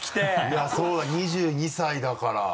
いやそうだ２２歳だから。